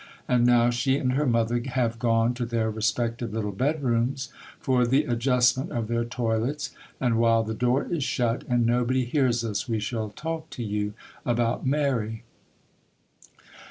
And now she and her mother have gone to their respective little bedrooms for the adjustment of their toilets, and while the door is shut and nobody hears us, we shall talk to you about Mary.